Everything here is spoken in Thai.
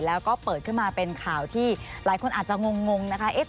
แล้วก็เปิดขึ้นมาเป็นข่าวที่หลายคนอาจจะงงนะคะ